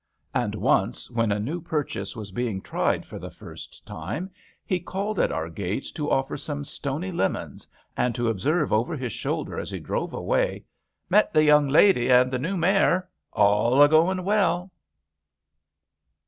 And once when a new purchase was being tried for the first time he called at our gates to offer some stony lemons and to observe over his shoulder as he drove away, "Met the young lady and the new mare ; all a goin well."